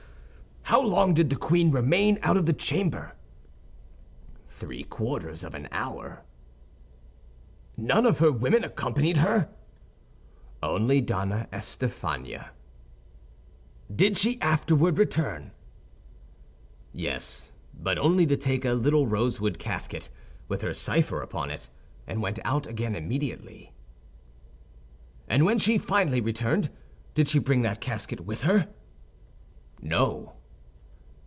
"How long did the queen remain out of the chamber?" "Three quarters of an hour." "None of her women accompanied her?" "Only Donna Estafania." "Did she afterward return?" "Yes; but only to take a little rosewood casket, with her cipher upon it, and went out again immediately." "And when she finally returned, did she bring that casket with her?" "No."